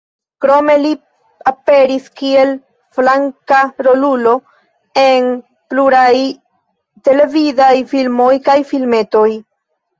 Krome li aperis kiel flanka rolulo en pluraj televidaj filmoj kaj filmetoj.